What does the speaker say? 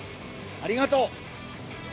ありがとう。